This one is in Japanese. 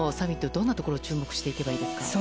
どんなところに注目していけばいいですか？